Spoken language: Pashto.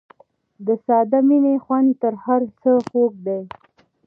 د ساده مینې خوند تر هر څه خوږ دی.